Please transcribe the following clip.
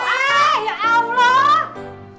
eh ya allah